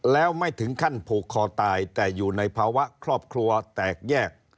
แล้วไม่ถึงขั้นผูกคอตายแต่อยู่ในภาวะครอบครัวแตกแยก